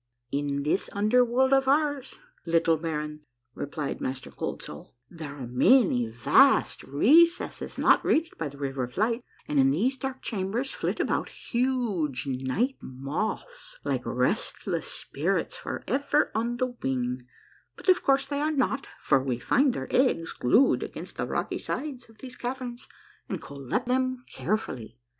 " In this under world of ours, little baron," replied INIaster Cold Soul, " there are many vast recesses not reached by the River of Light, and in these dark chambers flit about huge night moths, like restless spirits forever on the wing, but of course they are not, for we find their eggs glued against the rocky sides of these caverns and collect them carefully.